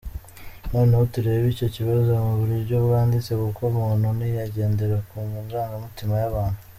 Noneho turebe icyo kibazo mu buryo bwanditse kuko umuntu ntiyagendera ku marangamutima y’abantu.